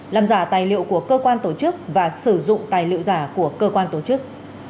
làm giả tài liệu của cơ quan tổ chức và sử dụng tài liệu giả của cơ quan tổ chức